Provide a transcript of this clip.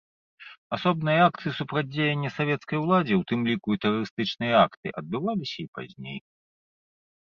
Асобныя акцыі супрацьдзеяння савецкай уладзе, у тым ліку і тэрарыстычныя акты адбываліся і пазней.